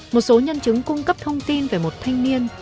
một số nhân chứng cung cấp thông tin về một thanh niên